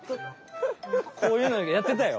こういうのやってたよ。